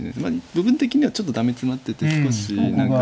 部分的にはちょっとダメツマってて少し何か。